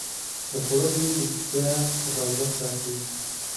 د خوړو بوی د اشتها دروازه پرانیزي.